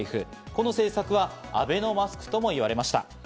この政策はアベノマスクとも言われました。